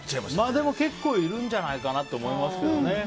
でも、結構いるんじゃないかなと思いますけどね。